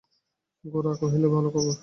গোরা কহিল, ভালো খবর।